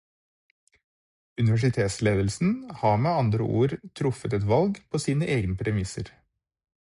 Universitetsledelsen har med andre ord truffet et valg på sine egne premisser.